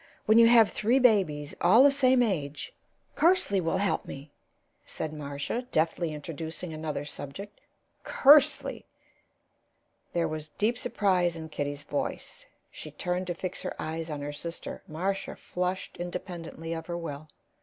When you have three babies all the same age " "Kersley will help me," said Marcia, deftly introducing another subject. "Kersley!" There was deep surprise in Kitty's voice; she turned to fix her eyes on her sister. Marcia flushed independently of her will.